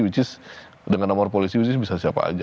which is dengan nomor polisi which is bisa siapa aja